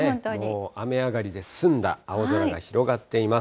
もう雨上がりで澄んだ青空が広がっています。